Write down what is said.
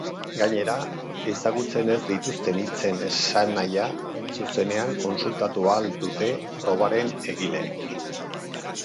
Gainera, ezagutzen ez dituzten hitzen esanahia zuzenean kontsultatu ahal dute probaren egileek.